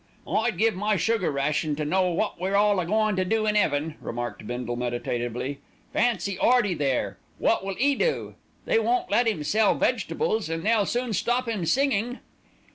"I'd give my sugar ration to know wot we're all a goin' to do in 'eaven," remarked Bindle meditatively. "Fancy 'Earty there! Wot will 'e do? They won't let 'im sell vegetables, and they'll soon stop 'im singing."